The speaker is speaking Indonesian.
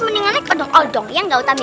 mendingan naik udung udung ya gak utami